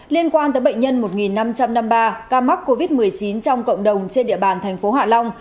liên quan tới bệnh nhân một năm trăm năm mươi ba ca mắc covid một mươi chín trong cộng đồng trên địa bàn thành phố hạ long